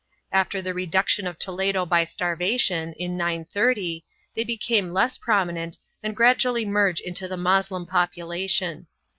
After the reduction of Toledo by starvation, in 930, they become less prominent and gradu ally merge into the Moslem population.